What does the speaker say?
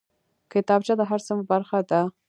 کتابچه د هر صنف برخه ده